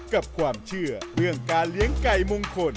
กับความเชื่อเรื่องการเลี้ยงไก่มงคล